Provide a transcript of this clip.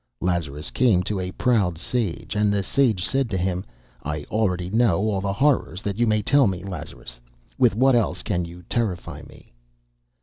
Lazarus came to a proud sage, and the sage said to him: "I already know all the horrors that you may tell me, Lazarus. With what else can you terrify me?"